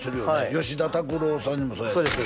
吉田拓郎さんにもそうやしそうです